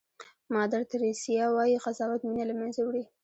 مادر تریسیا وایي قضاوت مینه له منځه وړي.